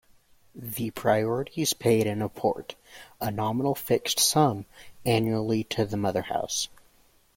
The priories paid an apport, a nominal fixed sum, annually to the mother-house.